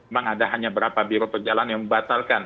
memang ada hanya berapa biro perjalanan yang membatalkan